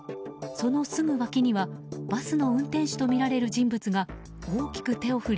そのすぐ脇にはバスの運転手とみられる人物が大きく手を振り